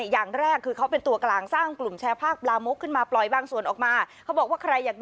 อย่างแรกคือเป็นตัวกลางสร้างกลุ่มแชร์ภาคปรามโม้กขึ้นมาปล่อยบางส่วนออกมา